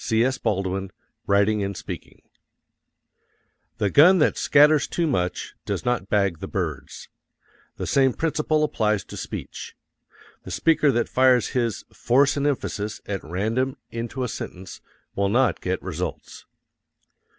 C.S. BALDWIN, Writing and Speaking. The gun that scatters too much does not bag the birds. The same principle applies to speech. The speaker that fires his force and emphasis at random into a sentence will not get results.